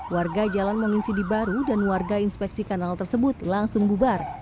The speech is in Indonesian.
warga jalan menginsidi baru dan warga inspeksi kanal tersebut langsung bubar